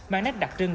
mang nét đặc trưng